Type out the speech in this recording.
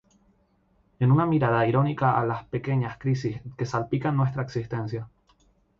Es una mirada irónica a las pequeñas crisis que salpican nuestra existencia.